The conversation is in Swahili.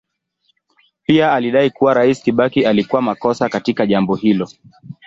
Pia alidai kuwa Rais Kibaki alikuwa makosa katika jambo hilo.